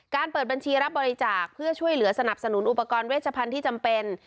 เปิดบัญชีรับบริจาคเพื่อช่วยเหลือสนับสนุนอุปกรณ์เวชพันธุ์ที่จำเป็น